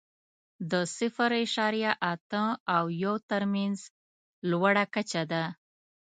د صفر اعشاریه اته او یو تر مینځ لوړه کچه ده.